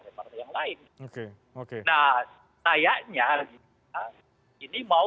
nah sepertinya ini mau dibuktikan semua setuju